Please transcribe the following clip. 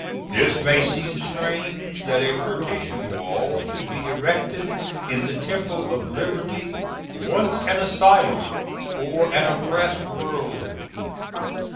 This may seem strange, that a partition wall should be erected in the Temple of Liberty, once an asylum for an oppressed world.